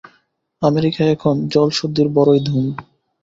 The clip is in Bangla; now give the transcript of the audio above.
আমেরিকায় এখন জলশুদ্ধির বড়ই ধুম।